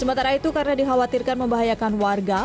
sementara itu karena dikhawatirkan membahayakan warga